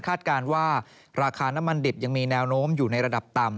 การว่าราคาน้ำมันดิบยังมีแนวโน้มอยู่ในระดับต่ำ